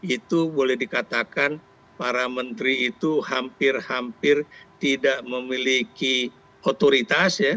itu boleh dikatakan para menteri itu hampir hampir tidak memiliki otoritas ya